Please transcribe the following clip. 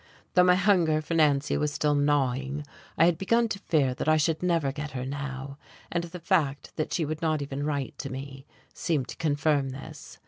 Though my hunger for Nancy was still gnawing, I had begun to fear that I should never get her now; and the fact that she would not even write to me seemed to confirm this.